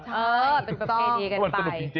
ใช่เป็นประเภทดีกันไป